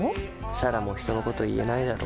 彩良も人のこと言えないだろ。